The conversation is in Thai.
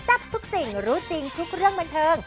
ทับทุกสิ่งรู้จริงทุกเรื่องบันเทิง